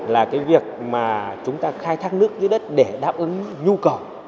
là cái việc mà chúng ta khai thác nước dưới đất để đáp ứng nhu cầu